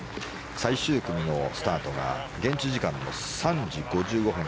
最終組のスタートが現地時間の３時５５分。